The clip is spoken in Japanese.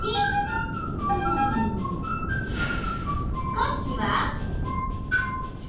こっちは庇。